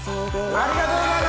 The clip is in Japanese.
ありがとうございます！